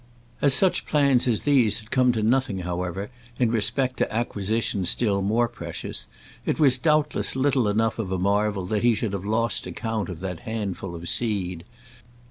As such plans as these had come to nothing, however, in respect to acquisitions still more precious, it was doubtless little enough of a marvel that he should have lost account of that handful of seed.